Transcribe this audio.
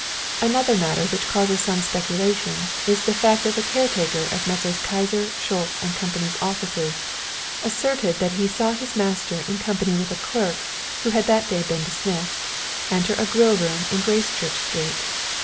"Another matter which causes some speculation is the fact that the caretaker of Messrs. Kyser, Schultz & Company's offices asserts that he saw his master in company with a clerk who had that day been dismissed, enter a grill room in Gracechurch Street.